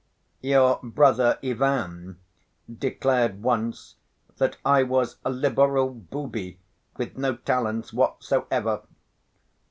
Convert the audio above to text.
"Your brother Ivan declared once that I was a 'liberal booby with no talents whatsoever.